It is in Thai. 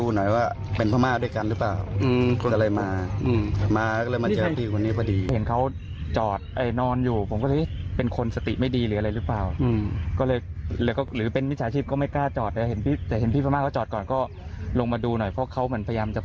เหมือนเป็นคนจีนแล้วแล้วครับโดนทรัพย์ร้าย